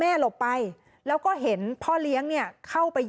มีคนร้องบอกให้ช่วยด้วยก็เห็นภาพเมื่อสักครู่นี้เราจะได้ยินเสียงเข้ามาเลย